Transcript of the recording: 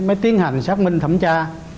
mới tiến hành xác minh thẩm tra